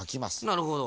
なるほど。